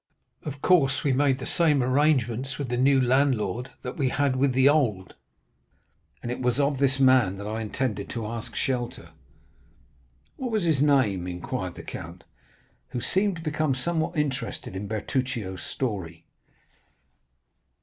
Of course, we made the same arrangements with the new landlord that we had with the old; and it was of this man that I intended to ask shelter." "What was his name?" inquired the count, who seemed to become somewhat interested in Bertuccio's story.